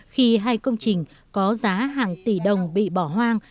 khi hai công trình có giá hàng tỷ đồng bị bỏ hoang